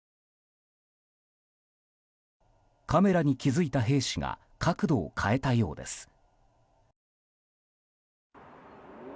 カメラに気づいた兵士が角度を変えたようです。